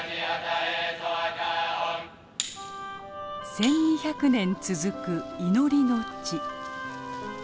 １，２００年続く祈りの地。